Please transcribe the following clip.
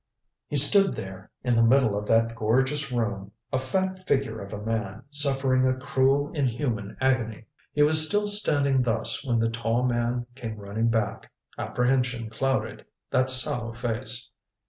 He stood there in the middle of that gorgeous room a fat figure of a man suffering a cruel inhuman agony. He was still standing thus when the tall man came running back. Apprehension clouded that sallow face.